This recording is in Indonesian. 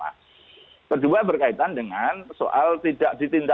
agar terperiksa sebagai ketua